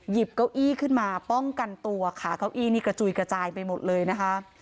เก้าอี้ขึ้นมาป้องกันตัวค่ะเก้าอี้นี่กระจุยกระจายไปหมดเลยนะคะ